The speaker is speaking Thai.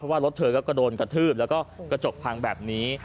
ว่ารถเธอก็โดนกระทืบแล้วก็กระจกพังแบบนี้